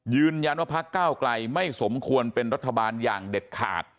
ยืนยันว่าภาคเก้ากลัยไม่สมควรเป็นรัฐบาลอย่างเด็ดขาด